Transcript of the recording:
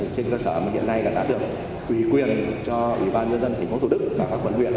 trên cơ sở hiện nay đã được quỳ quyền cho ủy ban nhân dân thành phố thủ đức và quận huyện